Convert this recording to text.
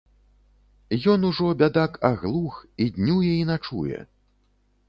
Ён ужо, бядак, аглух, і днюе і начуе.